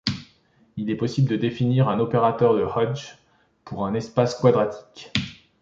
Il est possible de définir un opérateur de Hodge pour un espace quadratique.